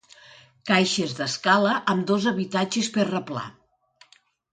Caixes d'escala amb dos habitatges per replà.